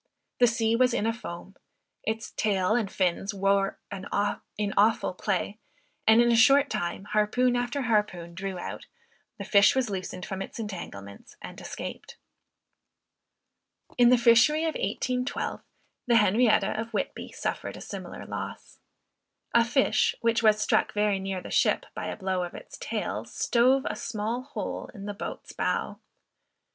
The sea was in a foam. Its tail and fins wore in awful play; and in a short time, harpoon after harpoon drew out, the fish was loosened from its entanglements and escaped. In the fishery of 1812, the Henrietta of Whitby suffered a similar loss. A fish which was struck very near the ship, by a blow of its tail, stove a small hole in the boat's bow.